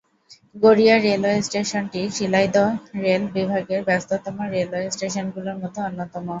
Garia railway স্টেশনটি Sealdah rail বিভাগের ব্যস্ততম রেলওয়ে স্টেশনগুলির মধ্যে অন্যতম।